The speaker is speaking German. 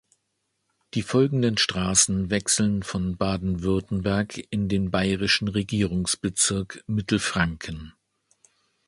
Die folgenden Straßen wechseln von Baden-Württemberg in den bayerischen Regierungsbezirk Mittelfranken.